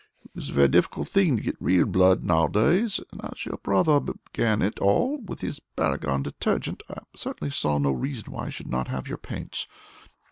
It is a very difficult thing to get real blood nowadays, and, as your brother began it all with his Paragon Detergent, I certainly saw no reason why I should not have your paints.